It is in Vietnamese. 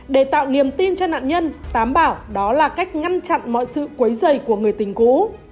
để tạo niềm tin cho nạn nhân tám bảo đó là cách ngăn chặn mọi sự quấy dày của người tình cũ